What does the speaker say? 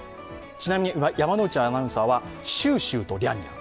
ちなみに山内アナウンサーはシュウシュウとリャンリャン。